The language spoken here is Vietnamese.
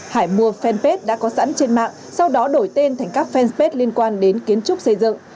hải mua fanpage đã có sẵn trên mạng sau đó đổi tên thành các fanpage liên quan đến kiến trúc xây dựng